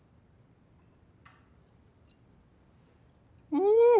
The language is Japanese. うん！